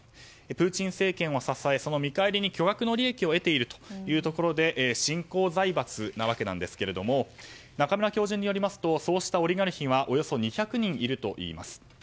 プーチン政権を支えその見返りに巨額の利益を得ているということで新興財閥なわけなんですが中村教授によりますとそうしたオリガルヒはおよそ２００人いるといいます。